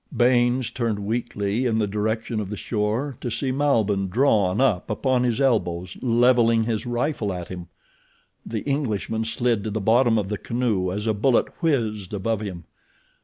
Baynes turned weakly in the direction of the shore to see Malbihn drawn up upon his elbows levelling his rifle at him. The Englishman slid to the bottom of the canoe as a bullet whizzed above him.